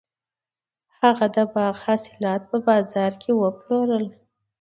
هغه د باغ حاصلات په بازار کې وپلورل.